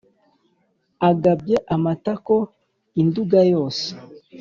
Agabye amatoko i Nduga yose